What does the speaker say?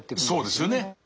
そうですよね。